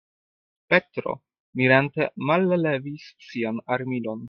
Petro mirante mallevis sian armilon.